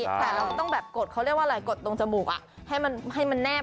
แต่เราก็ต้องแบบกดเขาเรียกว่าอะไรกดตรงจมูกให้มันแนบ